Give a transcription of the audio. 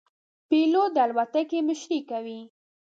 پیلوټ د الوتکې مشري کوي.